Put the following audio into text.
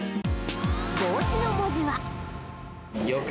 帽子の文字は。